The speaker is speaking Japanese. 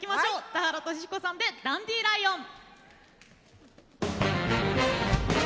田原俊彦さんで「ダンディライオン」。